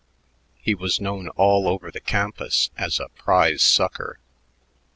He was known all over the campus as a "prize sucker."